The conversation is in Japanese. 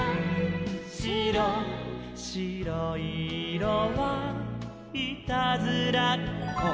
「しろいいろはいたずらっこ」